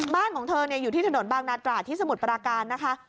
บ้านของเธออยู่ที่ถนนบางนาตราที่สมุทรปราการนะคะ